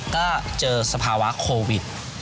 ก็เจอสภาวะโควิด